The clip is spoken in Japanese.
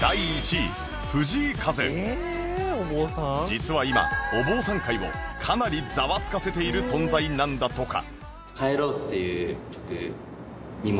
実は今お坊さん界をかなりざわつかせている存在なんだとか